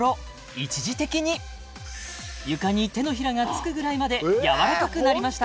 一時的に床に手のひらがつくぐらいまで柔らかくなりました